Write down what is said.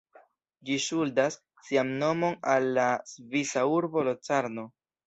Ĝi ŝuldas sian nomon al la svisa urbo Locarno.